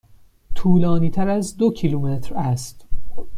طولانی تر از دو کیلومتر است.